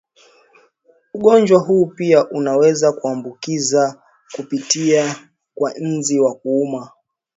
Ugonjwa huu pia unaweza kuambukiza kupitia kwa nzi wa kuuma